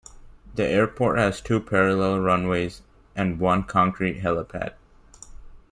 The airport has two parallel runways and one concrete helipad.